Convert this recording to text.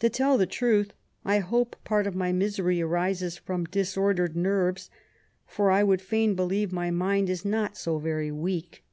To tell the truth, I hope part of my misery arises from disordered nerves, for I would fain believe my mind is not so very weak.